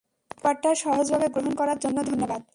ব্যাপারটা সহজভাবে গ্রহণ করার জন্য ধন্যবাদ।